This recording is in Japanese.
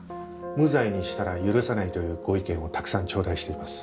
無罪にしたら許さない」というご意見をたくさん頂戴しています。